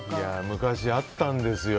昔あったんですよ。